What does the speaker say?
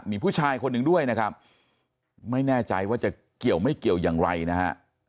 มีผู้ชายคนหนึ่งด้วยนะครับไม่แน่ใจว่าจะเกี่ยวไม่เกี่ยวอย่างไรนะฮะ